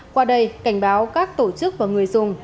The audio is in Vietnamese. qua đây cảnh báo các tổ chức và người dùng